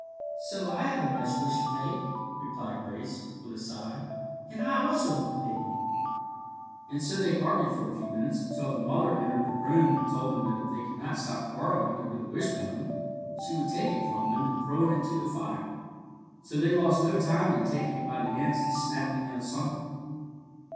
"So have I a nice wish to make," replied Grace, with a sigh, "and I also want the big end." And so they argued for a few minutes, until their mother entered the room and told them that if they could not stop quarrelling over the wishbone she would take it from them and throw it into the fire. So they lost no time in taking it by the ends and snapping it asunder.